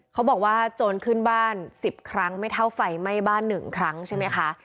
เขาบอกว่าโจรขึ้นบ้านสิบครั้งไม่เท่าไฟไหม้บ้านหนึ่งครั้งใช่ไหมคะ